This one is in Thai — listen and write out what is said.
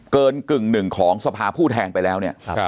เกินกึ่งหนึ่งของสภาพูดแทงไปแล้ว